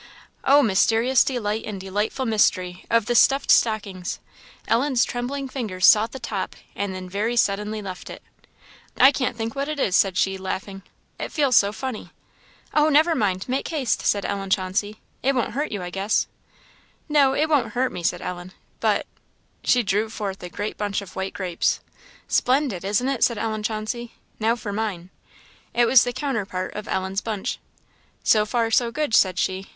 Oh, mysterious delight, and delightful mystery, of the stuffed stocking! Ellen's trembling fingers sought the top, and then very suddenly left it. "I can't think what it is," said she, laughing "it feels so funny." "Oh, never mind! make haste," said Ellen Chauncey; "it won't hurt you, I guess." "No, it won't hurt me," said Ellen, "but" She drew forth a great bunch of white grapes. "Splendid! isn't it?" said Ellen Chauncey. "Now for mine." It was the counterpart of Ellen's bunch. "So far, so good," said she.